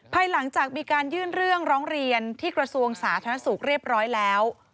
ภายหลังจากมีการยื่นเรื่องร้องเรียนที่กระทรวงสาธารณสุขเรียบร้อยแล้ว